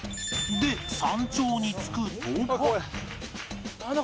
で山頂に着くとなんだ？